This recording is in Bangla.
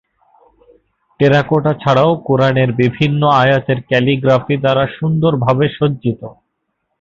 টেরাকোটা ছাড়াও কুরআনের বিভিন্ন আয়াতের ক্যালিগ্রাফি দ্বারা সুন্দরভাবে সজ্জিত।